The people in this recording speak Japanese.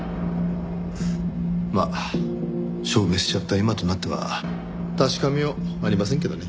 まあ消滅しちゃった今となっては確かめようありませんけどね。